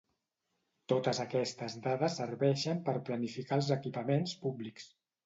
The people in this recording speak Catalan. Totes aquestes dades serveixen per planificar els equipaments públics.